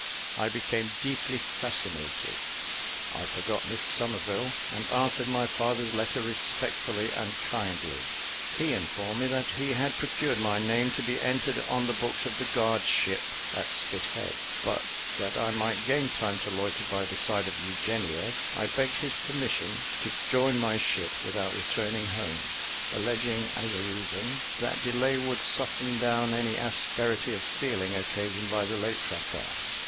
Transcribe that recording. I became deeply fascinated I forgot Miss Somerville, and answered my father's letter respectfully and kindly. He informed me that he had procured my name to be entered on the books of the guard ship, at Spithead: but, that I might gain time to loiter by the side of Eugenia, I begged his permission to join my ship without returning home, alleging as a reason, that delay would soften down any asperity of feeling occasioned by the late fracas.